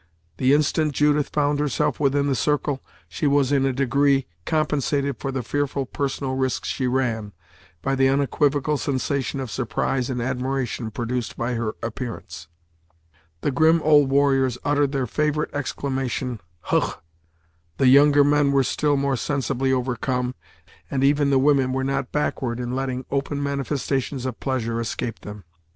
The instant Judith found herself within the circle, she was, in a degree, compensated for the fearful personal risk she ran, by the unequivocal sensation of surprise and admiration produced by her appearance. The grim old warriors uttered their favorite exclamation "hugh!" The younger men were still more sensibly overcome, and even the women were not backward in letting open manifestations of pleasure escape them.